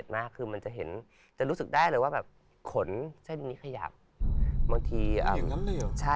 เราจะรู้สึกตัวได้เลยว่ามันเป็นอย่างนั้น